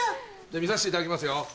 見さしていただきますよ。